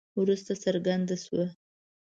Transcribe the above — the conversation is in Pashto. وروسته څرګنده شوه.